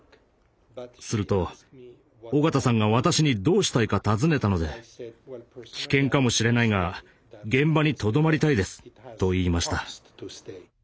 すると緒方さんが私にどうしたいか尋ねたので「危険かもしれないが現場にとどまりたいです」と言いました。